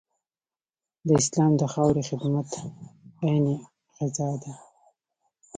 د اسلام د خاورې خدمت عین غزا ده.